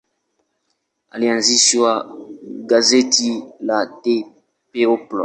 Alianzisha gazeti la The People.